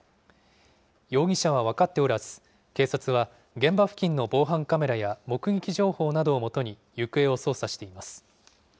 容疑者は分かっておらず、警察は現場付近の防犯カメラや目撃情報などをもとに、行方を捜査しています。